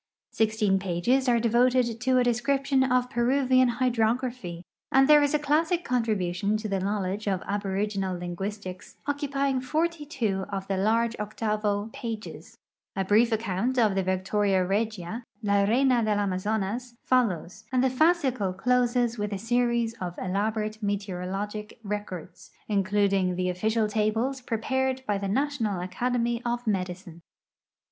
Sixteen pages are devoted to a description of Peruvian hyilrography, and there is a classic contrihntiou to the knowledge of aboriginal linguistic;s occu|tying forty two of the largo octavo pages. \ brief account of the Victoria regia, " la reina <lcl .Gna zonas " folhjws, and tiie fascicle ch)ses with a series of elaborate met<'oro logic records, including the official tables preparnl l)y the National Academy of .Medicine.